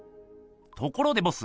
ところでボス